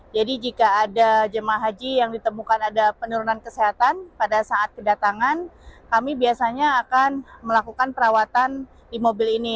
jadi jika ada jemaah haji yang ditemukan ada penurunan kesehatan pada saat kedatangan kami biasanya akan melakukan perawatan di mobil ini